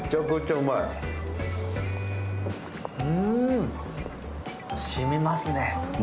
うん、染みますね。